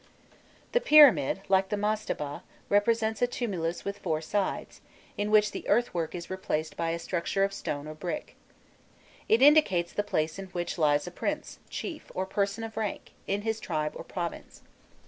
The pyramid, like the mastaba,* represents a tumulus with four sides, in which the earthwork is replaced by a structure of stone or brick. It indicates the place in which lies a prince, chief, or person of rank in his tribe or province.